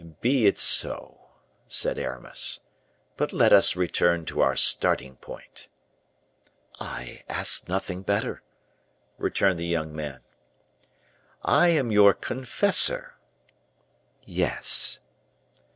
"Be it so," said Aramis; "but let us return to our starting point." "I ask nothing better," returned the young man. "I am your confessor." "Yes."